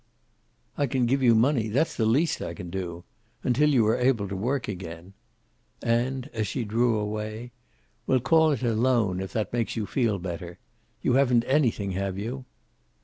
"I can give you money; that's the least I can do. Until you are able to work again." And as she drew away, "We'll call it a loan, if that makes you feel better. You haven't anything, have you?"